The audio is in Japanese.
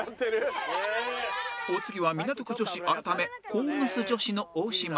お次は港区女子改め鴻巣女子の大島